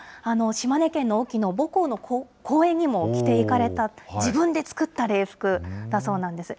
島根県の隠岐の母校の講演にも着ていかれた、自分で作った礼服だそうなんです。